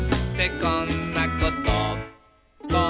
「こんなこと」